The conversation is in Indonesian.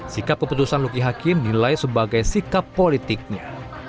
sikap keputusan luki hakim nilai sebagai sikap politiknya